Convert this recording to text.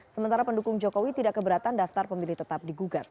sementara pendukung jokowi tidak keberatan daftar pemilih tetap digugat